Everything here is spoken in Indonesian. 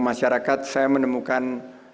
masyarakat saya menemukan